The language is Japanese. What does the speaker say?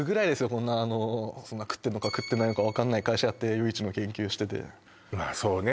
こんな食ってんのか食ってないのか分かんない会社やって夜市の研究しててそうね